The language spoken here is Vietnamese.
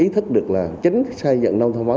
ý thức được là tránh xây dựng nông thôn mới